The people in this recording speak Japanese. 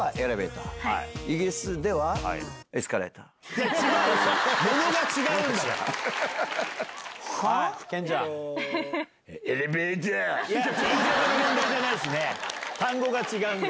言い方の問題じゃないですね。